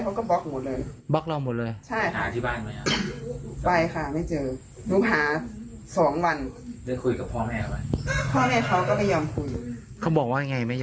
ที่เขาจะไปเขาก็ไปเลย